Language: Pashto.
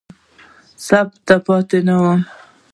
ثبات ته مو پام نه وي.